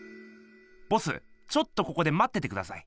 ボスちょっとここでまっててください。